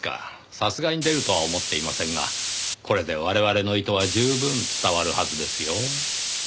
さすがに出るとは思っていませんがこれで我々の意図は十分伝わるはずですよ。